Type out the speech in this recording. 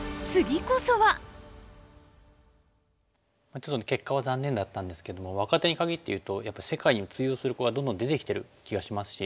ちょっと結果は残念だったんですけども若手に限っていうとやっぱり世界に通用する子がどんどん出てきてる気がしますし。